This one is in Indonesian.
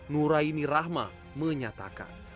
nuraini rahma menyatakan